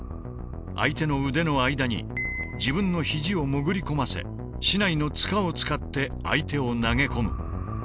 相手の腕の間に自分の肘を潜り込ませ竹刀の柄を使って相手を投げ込む。